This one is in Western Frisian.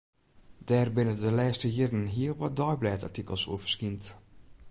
Dêr binne de lêste jierren hiel wat deiblêdartikels oer ferskynd.